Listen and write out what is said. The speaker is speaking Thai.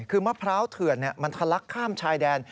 คือมะพร้าวเถื่อนมันทะลักข้ามชายแดน